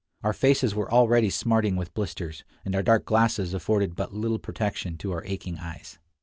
Our faces were already smarting with blisters, and our dark glasses afforded but little protection to our aching eyes.